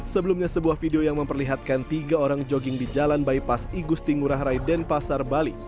sebelumnya sebuah video yang memperlihatkan tiga orang jogging di jalan bypass igusti ngurah rai denpasar bali